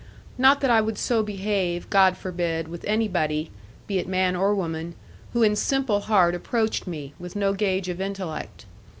Not that I would so behave, God forbid, with anybody (be it man or woman) who in simple heart approached me, with no gauge of intellect.